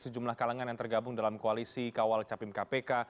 sejumlah kalangan yang tergabung dalam koalisi kawal capim kpk